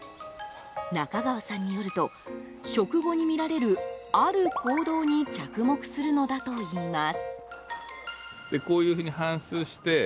中川さんによると食後に見られる、ある行動に着目するのだといいます。